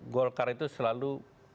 golkar itu selalu